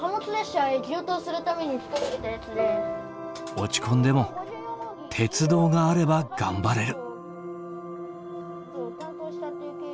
落ち込んでも鉄道があれば頑張れる。